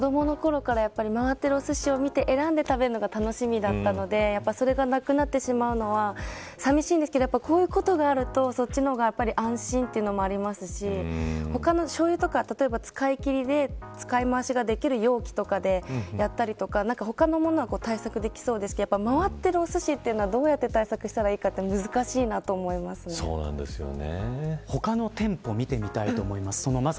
やっぱり子どものころから回っているおすしを見て選んで食べるのが楽しみだったのでそれがなくなってしまうのは寂しいですけどこういうことがあるとそっちの方が安心というのもありますし他のしょうゆとか例えば使いきりで使いまわしができる容器とかでやったりとか他のものは対策できそうですけど回ってるおすしはどうやって対策したらいいか難しいと思いますね。